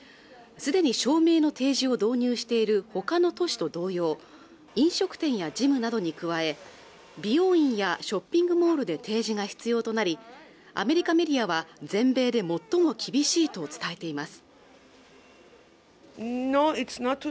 既に証明の提示を導入しているほかの都市と同様飲食店やジムなどに加え美容院やショッピングモールで提示が必要となりアメリカメディアは全米で最も厳しいと伝えています